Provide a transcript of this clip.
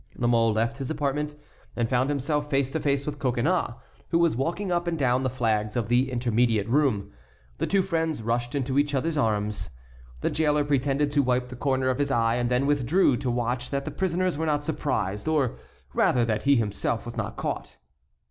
La Mole left his apartment and found himself face to face with Coconnas, who was walking up and down the flags of the intermediate room. The two friends rushed into each other's arms. The jailer pretended to wipe the corner of his eye, and then withdrew to watch that the prisoners were not surprised, or rather that he himself was not caught.